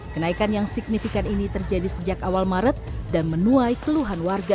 kenaikan yang signifikan ini terjadi sejak awal maret dan menuai keluhan warga